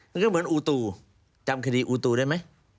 มันก็เหมือนอูตูจำคดีอูตูได้ไหม